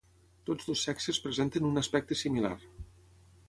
Tots dos sexes presenten un aspecte similar.